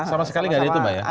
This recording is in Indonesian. sama sama enggak ada itu mbak ya